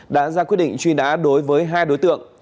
đã ra quyết định truy nã đối với hai đối tượng